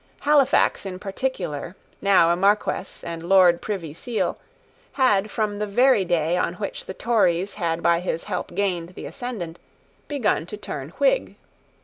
Halifax in particular, now a Marquess and Lord Privy Seal, had, from the very day on which the Tories had by his help gained the ascendant, begun to turn Whig.